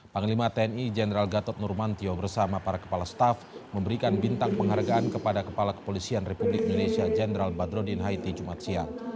panglima tni jenderal gatot nurmantio bersama para kepala staf memberikan bintang penghargaan kepada kepala kepolisian republik indonesia jenderal badrodin haiti jumat siang